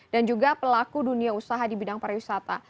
dan juga pelaku dunia usaha di bidang pariwisata